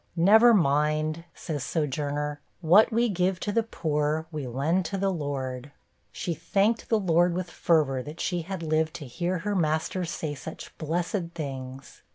'Never mind,' says Sojourner, 'what we give to the poor, we lend to the Lord.' She thanked the Lord with fervor, that she had lived to hear her master say such blessed things!